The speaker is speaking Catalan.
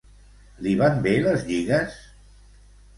Li van bé les lligues?